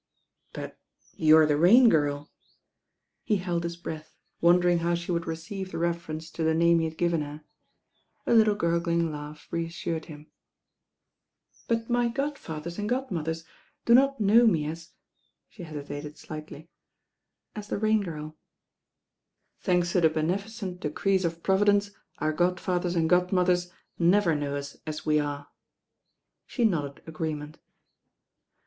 "But you're the Rain Girl." He held his breath, wondering how she would receive the reference to the name he had ^ven her. A little gurgling laugh reassured him. i ' '''HE MEETINQ WITH THE RAIN OmL 16S *'But my godfather! and godmothers do not know me at— ^" the hesitated slightly, as the Rain GirL" "Thanks to the beneficent decrees of Providence, our godfadiers and godmothers never know us as we are." She nodded agreement.